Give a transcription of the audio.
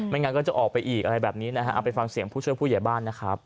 งั้นก็จะออกไปอีกอะไรแบบนี้นะฮะเอาไปฟังเสียงผู้ช่วยผู้ใหญ่บ้านนะครับ